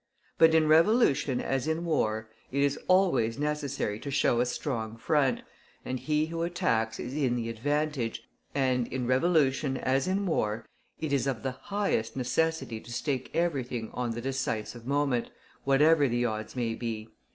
But in revolution as in war, it is always necessary to show a strong front, and he who attacks is in the advantage; and in revolution as in war, it is of the highest necessity to stake everything on the decisive moment, whatever the odds may be.